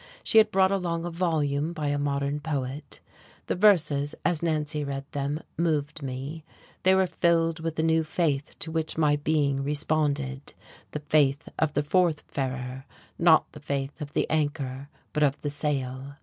She had brought along a volume by a modern poet: the verses, as Nancy read them, moved me, they were filled with a new faith to which my being responded, the faith of the forth farer; not the faith of the anchor, but of the sail.